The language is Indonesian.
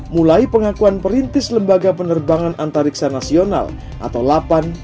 mulai pengakuan perintis lembaga penerbangan antariksa nasional atau lapan